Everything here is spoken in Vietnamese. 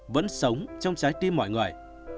vẫn sống trong trái tim mọi người